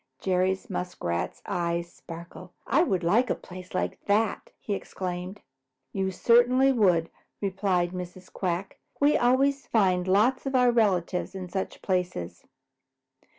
Jerry Muskrat's eyes sparkled. "I would like a place like that!" he exclaimed. "You certainly would," replied Mrs. Quack. "We always find lots of your relatives in such places."